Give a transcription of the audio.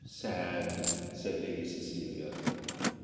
sad!" said Lady Cecilia.